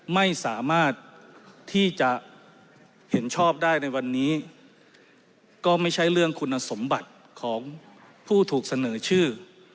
ไม่สามารถที่จะเห็นชอบได้ในวันนี้ก็ไม่ใช่เรื่องคุณสมบัติของผู้ถูกเสนอชื่อ